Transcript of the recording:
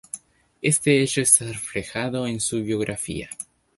Este hecho está reflejado en su biografía.